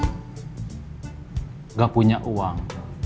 nggak punya uang